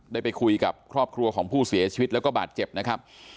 ได้ไปคุยกับครอบครัวของผู้เสียชีวิตแล้วก็บาดเจ็บนะครับ